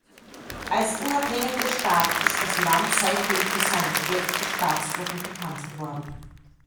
Als unabhängiger Staat ist das Land seitdem für seine schlechte Staatsführung bekannt geworden.